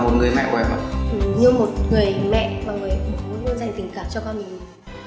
như một người mẹ và một người bố luôn dành tình cảm cho con mình